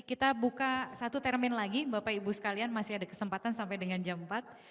kita buka satu termin lagi bapak ibu sekalian masih ada kesempatan sampai dengan jam empat